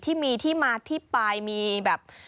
ที่มีที่มาที่ไปมีแบบ